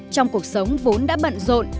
trong cuộc sống vốn đã bận rộn